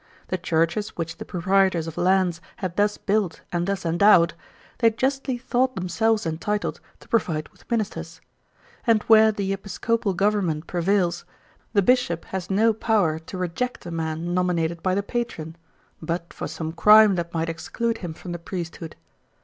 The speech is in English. The churches which the proprietors of lands had thus built and thus endowed, they justly thought themselves entitled to provide with ministers; and where the episcopal government prevails, the Bishop has no power to reject a man nominated by the patron, but for some crime that might exclude him from the priesthood.